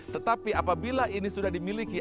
tetapi apabila ini sudah dimiliki